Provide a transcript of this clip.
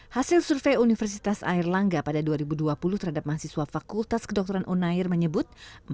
hasil survei universitas air langga pada dua ribu dua puluh terhadap mahasiswa fakultas kedokteran unair menyebut